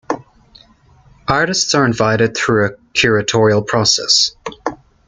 Artists are invited through a curatorial process.